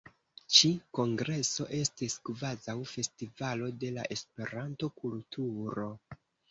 Ĉi kongreso estis kvazaŭ festivalo de la Esperanto-kulturo.